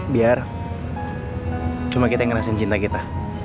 biar cuma kita yang ngerasain cinta kita